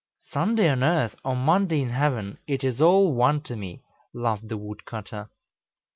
"Sunday on earth, or Monday in heaven, it is all one to me!" laughed the wood cutter.